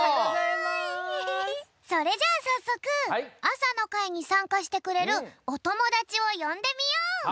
それじゃあさっそくあさのかいにさんかしてくれるおともだちをよんでみよう。